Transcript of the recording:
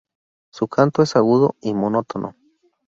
Su canto es agudo y monótono.